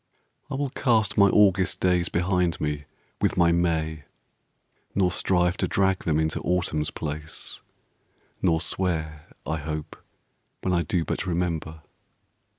I will cast My August days behind me with my May, Nor strive to drag them into Autumn's place, Nor swear I hope when I do but remember.